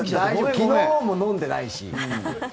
昨日も飲んでないし。